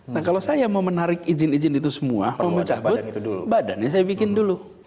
nah kalau saya mau menarik izin izin itu semua mau mencabut badannya saya bikin dulu